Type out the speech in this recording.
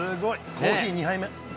コーヒー２杯。